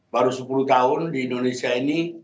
baru sepuluh tahun di indonesia ini